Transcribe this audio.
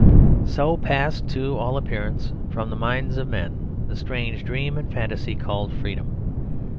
So passed, to all appearance, from the minds of men the strange dream and fantasy called freedom.